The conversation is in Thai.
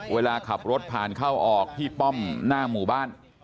เวลาขับรถผ่านเข้าออกที่ป้อมหน้าหมู่บ้าน